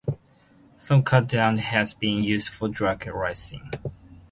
Some cutdowns have been used for drag racing.